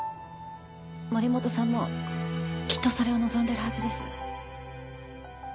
森本さんもきっとそれを望んでるはずです。